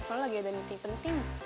soalnya lagi ada miti penting